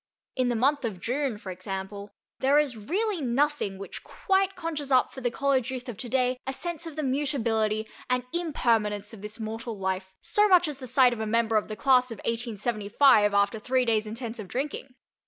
In the month of June, for example, there is really nothing which quite conjures up for the college youth of today a sense of the mutability and impermanence of this mortal life so much as the sight of a member of the class of 1875 after three days' intensive drinking.